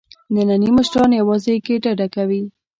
نني مشران یوازې ګېډه ډکوي.